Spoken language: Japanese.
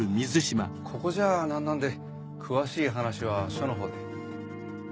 ここじゃなんなんで詳しい話は署のほうで。